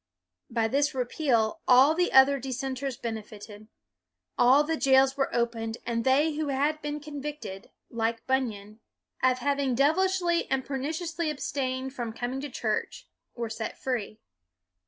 By this repeal all the other dissenters benefited. All the jails were opened, and they who had been convicted, like Bunyan, of having " devil 276 BUNYAN ishly and perniciously abstained from com ing to church," were set free.